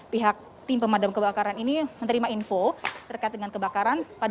pihak tim pemadam kebakaran ini menerima info terkait dengan kebakaran pada pukul enam belas lima puluh enam